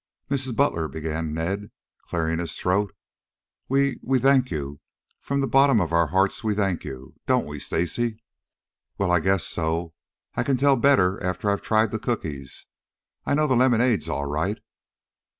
"Mrs. Butler," began Ned, clearing his throat, "we we thank you; from the bottom of our hearts we thank you don't we, Stacy?" "Well, I I guess so. I can tell better after I've tried the cookies. I know the lemonade's all right."